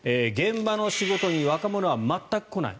現場の仕事に若者は全く来ない。